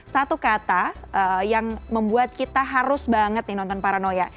satu kata yang membuat kita harus banget nih nonton paranoya